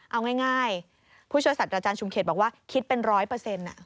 เอาง่ายผู้ช่วยสัตว์อาจารย์ชุมเขตบอกว่าคิดเป็นร้อยเปอร์เซ็นต์